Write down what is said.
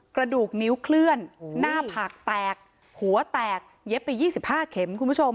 กระดูกนิ้วเคลื่อนหน้าผากแตกหัวแตกเย็บไป๒๕เข็มคุณผู้ชม